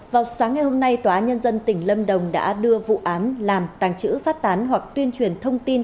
vào sáng ngày hôm nay tòa án nhân dân tỉnh lâm đồng đã đưa vụ án làm tàng trữ phát tán hoặc tuyên truyền thông tin